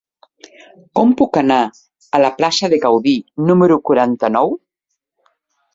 Com puc anar a la plaça de Gaudí número quaranta-nou?